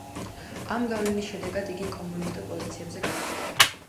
ამ გავლენის შედეგად იგი კომუნისტურ პოზიციებზე გადავიდა.